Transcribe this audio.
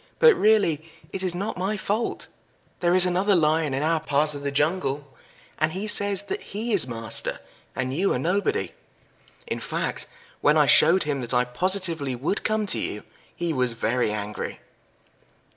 But really it is not my fault. There is another Lion in our part of the jungle, and he says that he is master, and you are nobody. In fact, when I showed him that I positively would come to you he was very angry."